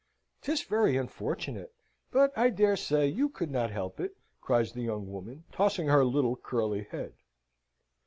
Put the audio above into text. "'Tis very unfortunate; but I dare say you could not help it," cries the young woman, tossing her little curly head.